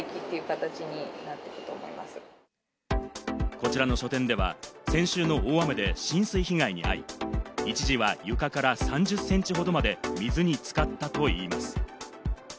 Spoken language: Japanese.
こちらの書店では先週の大雨で浸水被害に遭い、一時は床から３０センチほどまで、水に浸かったといいます。